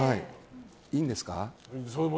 いいんですか？